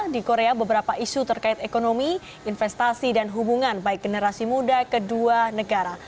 di korea beberapa isu terkait ekonomi investasi dan hubungan baik generasi muda kedua negara